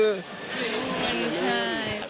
หินคุณใช่